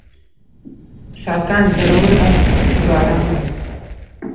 ساکان زړور آس سواران وو